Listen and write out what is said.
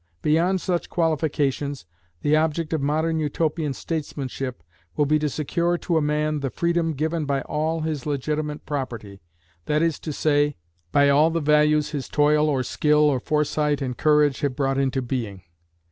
Beyond such qualifications, the object of Modern Utopian statesmanship will be to secure to a man the freedom given by all his legitimate property, that is to say, by all the values his toil or skill or foresight and courage have brought into being.